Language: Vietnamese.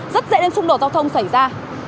rất dễ đến xung đột giao thông xảy ra